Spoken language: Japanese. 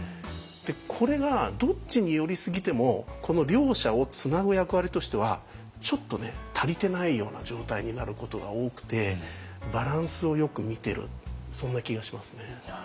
これがどっちに寄りすぎてもこの両者をつなぐ役割としてはちょっとね足りてないような状態になることが多くてバランスをよく見てるそんな気がしますね。